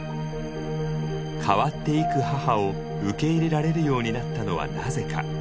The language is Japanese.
変わっていく母を受け入れられるようになったのはなぜか。